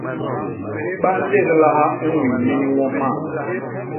Ba nléglaha i ñwin mini ñwo ma.